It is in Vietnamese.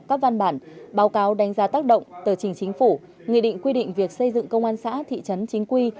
các văn bản báo cáo đánh giá tác động tờ trình chính phủ nghị định quy định việc xây dựng công an xã thị trấn chính quy